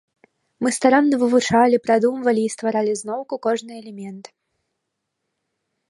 Мы старанна вывучалі, прадумвалі і стваралі зноўку кожны элемент.